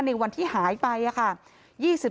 ในวันที่หายไปค่ะ